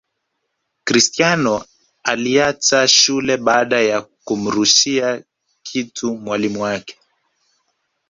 Cristiano aliacha shule baada ya kumrushia kitu mwalimu wake